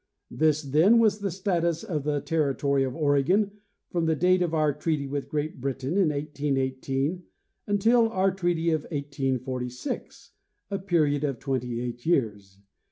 This, then, was the status of the territory of Oregon from the date of our treaty with Great Britain in 1818 until our treaty of 1846, a period of twenty eight years.